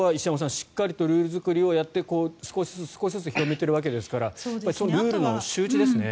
しっかりルール作りをやって少しずつ広めているわけですからルールの周知ですね。